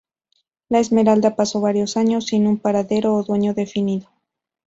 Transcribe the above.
La esmeralda pasó varios años sin un paradero o dueño definido.